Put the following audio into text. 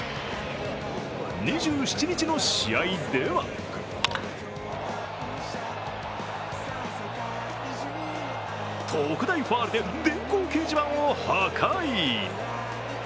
２７日の試合では特大ファウルで電光掲示板を破壊。